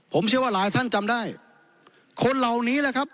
ผมเชื่อว่าหลายท่านจำได้คนเหล่านี้แหละครับ